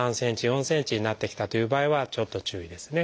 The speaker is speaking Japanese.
３ｃｍ４ｃｍになってきたという場合はちょっと注意ですね。